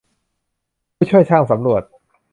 ผู้ช่วยช่างสำรวจ